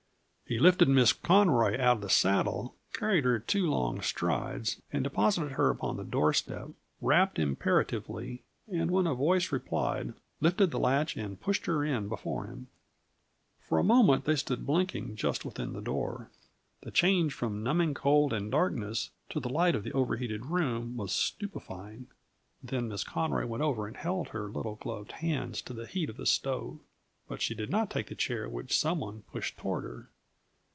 He lifted Miss Conroy out of the saddle, carried her two long strides, and deposited her upon the door step; rapped imperatively, and when a voice replied, lifted the latch and pushed her in before him. For a minute they stood blinking, just within the door. The change from numbing cold and darkness to the light of the overheated room was stupefying. Then Miss Conroy went over and held her little, gloved hands to the heat of the stove, but she did not take the chair which some one pushed toward her.